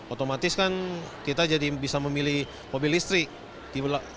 otomatis kan kita jadi bisa memilih mobil listrik